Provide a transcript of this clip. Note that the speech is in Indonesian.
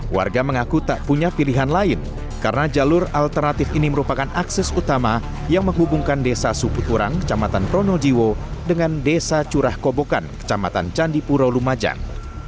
warga mengaku tak punya pilihan lain karena jalur alternatif ini merupakan akses utama yang menghubungkan desa suputurang kecamatan pronojiwo dengan desa curah kobokan kecamatan candipuro lumajang